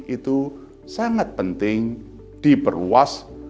itu sangat penting diperluas